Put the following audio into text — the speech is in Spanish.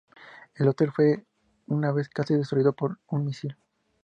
El hotel fue una vez casi destruido por un misil.